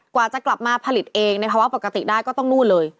กว่าจะกลับมาผลิตเองในภาวะปกติได้ก็ต้องนู่นเลย